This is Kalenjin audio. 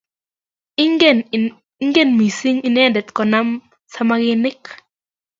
ingen missing inendet konaam samaginik